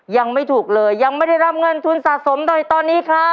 ยังไม่ถูกเลยยังไม่ได้รับเงินทุนสะสมใดตอนนี้ครับ